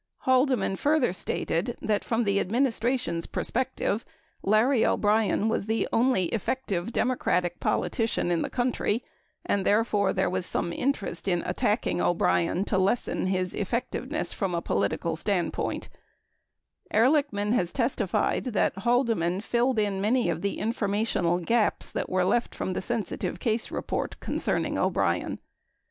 Haldeman further stated that from the administration's perspective, Larry O'Brien was the only effective Democratic politician in the country and therefore, there was some interest in attacking O'Brien to lessen his effectiveness from a political standpoint, 21 Ehrlichman has testified that Haldeman filled in many of the informational gaps that were left from the sensitive case report concerning O'Brien.